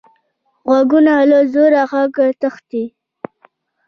غوږونه له زوره غږو تښتي